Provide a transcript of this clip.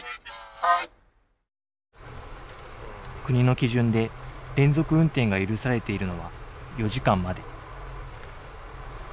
国の基準で連続運転が許されているのは４時間まで。